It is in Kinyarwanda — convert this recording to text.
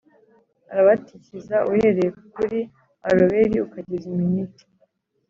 Arabatikiza uhereye kuri aroweri ukageza i miniti